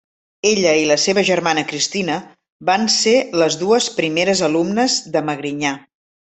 Ella i la seva germana Cristina van ser les dues primeres alumnes de Magrinyà.